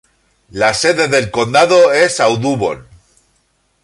La sede del condado es Audubon.